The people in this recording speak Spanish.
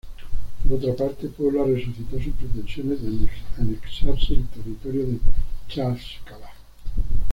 Por otra parte, Puebla resucitó sus pretensiones de anexarse el territorio de Tlaxcala.